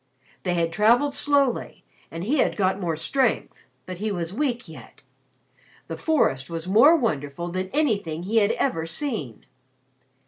They had traveled slowly and he had got more strength, but he was weak yet. The forest was more wonderful than anything he had ever seen.